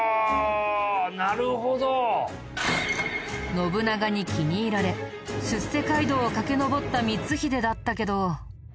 信長に気に入られ出世街道を駆け上った光秀だったけど。